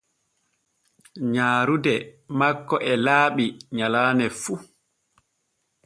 Nyaaruɗe makko e laaɓi nyallane fu.